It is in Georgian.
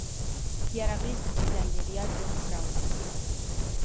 იარაღის დიზაინერია ჯონ ბრაუნინგი.